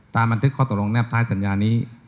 ตามอันทึกข้อตกลงแนบใต้สัญญานี้